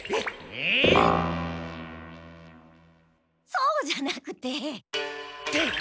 そうじゃなくて。